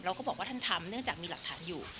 ก็บอกว่าท่านทำเนื่องจากมีหลักฐานอยู่